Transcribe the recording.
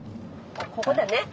ここだね。